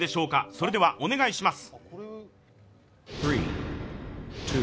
それでは、お願いします。